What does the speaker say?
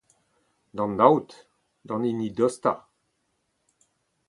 D’an aod, d’an hini dostañ.